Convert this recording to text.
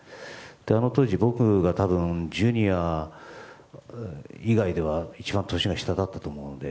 あの当時、僕が多分、Ｊｒ．以外では一番年が下だったと思うので。